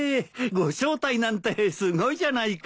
ご招待なんてすごいじゃないか。